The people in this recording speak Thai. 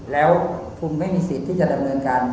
แล้วคุณไม่มีสิทธิ์ที่จะดำเนินการ